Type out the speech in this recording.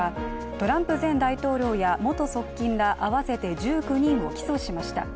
トランプ前大統領や元側近ら合わせて１９人を起訴しました。